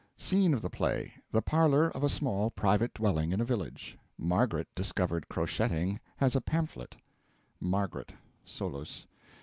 Scene of the play, the parlour of a small private dwelling in a village. (MARGARET discovered crocheting has a pamphlet.) MARGARET. (Solus.)